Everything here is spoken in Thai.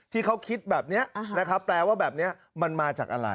ที่เขาคิดแบบเนี้ยแปลว่าแบบเนี้ยมันมาจากอะไร